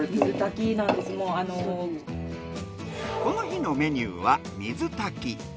この日のメニューは水炊き。